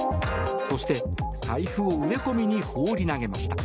そして、財布を植え込みに放り投げました。